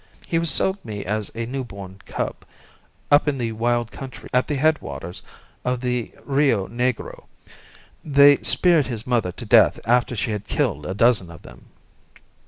He was sold me as a new born cub up in the wild country at the head waters of the Rio Negro. They speared his mother to death after she had killed a dozen of them."